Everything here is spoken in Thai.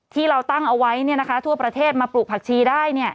ที่เราตั้งเอาไว้เนี่ยนะคะทั่วประเทศมาปลูกผักชีได้เนี่ย